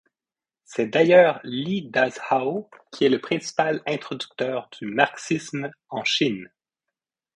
C'est d'ailleurs Li Dazhao qui est le principal introducteur du marxisme en Chine.